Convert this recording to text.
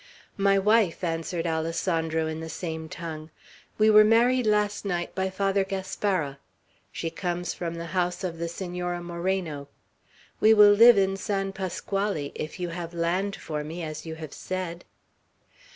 "My wife!" answered Alessandro, in the same tongue. "We were married last night by Father Gaspara. She comes from the house of the Senora Moreno. We will live in San Pasquale, if you have land for me, as you have said."